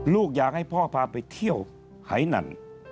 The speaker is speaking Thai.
อยากให้พ่อพาไปเที่ยวหายนั่น